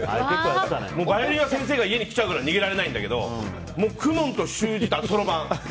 バイオリンは先生が家に来ちゃうから逃げられないんだけど公文と習字とそろばん。